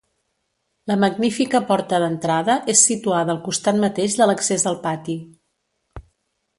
La magnífica porta d'entrada és situada al costat mateix de l'accés al pati.